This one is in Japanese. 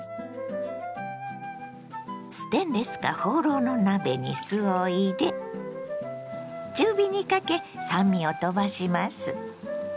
ステンレスかホウロウの鍋に酢を入れ中火にかけ酸味をとばします。